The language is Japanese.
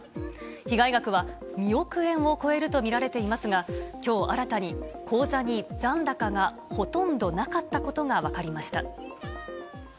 被害額は２億円を超えると見られていますが、きょう、新たに口座に残高がほとんどなかったことが分かりました。